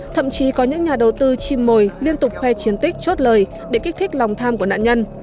thậm chí có những nhà đầu tư chim mồi liên tục khoe chiến tích chốt lời để kích thích lòng tham của nạn nhân